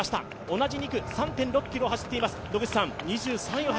同じ２区３．６ｋｍを走っています